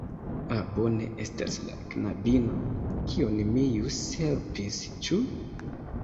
Ah, bone, estas la knabino kiun mi ĵus helpis, ĉu?